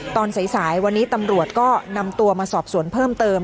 ตอนสายวันนี้ตำรวจก็นำตัวมาสอบสวนเพิ่มเติม